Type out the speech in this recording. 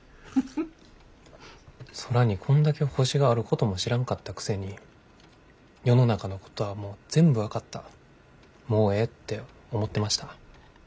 空にこんだけ星があることも知らんかったくせに世の中のことはもう全部分かったもうええって思ってました。